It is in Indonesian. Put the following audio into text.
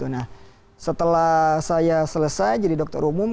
nah setelah saya selesai jadi dokter umum